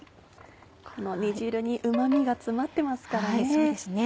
この煮汁にうま味が詰まってますからね。